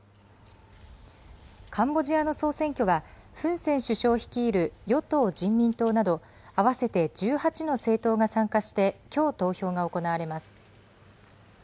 カンボジアの総選挙は、フン・セン首相率いる与党・人民党など、合わせて１８の政党が参加して、きょう投票が行われます。